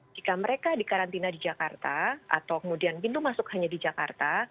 jika mereka dikarantina di jakarta atau kemudian pintu masuk hanya di jakarta